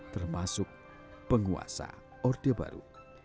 termasuk penguasa orde baru